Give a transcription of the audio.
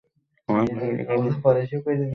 আমার পাশে থাকার জন্য ধন্যবাদ।